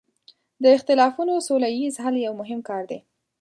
د اختلافونو سوله ییز حل یو مهم کار دی.